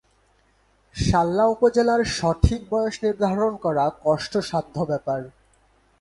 শাল্লা উপজেলার সঠিক বয়স নির্ধারন করা কষ্টসাধ্য ব্যাপার।